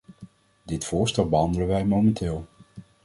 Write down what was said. Dit voorstel behandelen wij momenteel.